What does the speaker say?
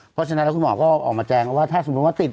เพราะฉะนั้นแล้วคุณหมอก็ออกมาแจงว่าถ้าสมมุติว่าติด